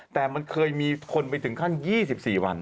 แต่มันเคยมีคนไปถึงขั้น๒๔วัน